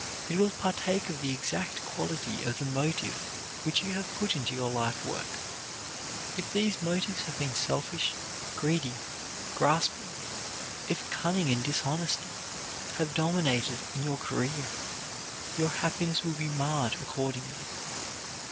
It will partake of the exact quality of the motive which you have put into your life work. If these motives have been selfish, greedy, grasping, if cunning and dishonesty have dominated in your career, your happiness will be marred accordingly.